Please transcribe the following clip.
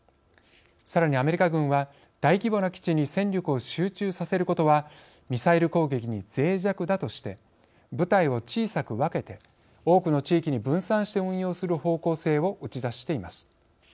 さらにアメリカ軍は大規模な基地に戦力を集中させることはミサイル攻撃にぜい弱だとして部隊を小さく分けて多くの地域に分散して運用する方向性を打ち出しています。